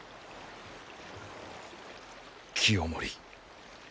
清盛。